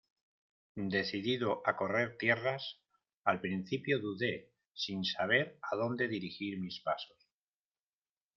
decidido a correr tierras, al principio dudé sin saber a dónde dirigir mis pasos: